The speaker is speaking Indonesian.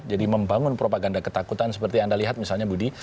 jadi membangun propaganda ketakutan seperti anda lihat misalnya budi